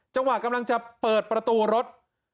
จังหวะกำลังจะเปิดประตูรถ